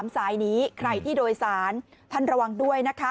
๓สายนี้ใครที่โดยสารทันระวังด้วย